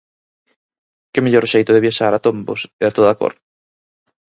Que mellor xeito de viaxar a tombos e a toda cor!